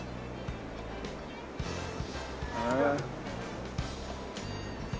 へえ。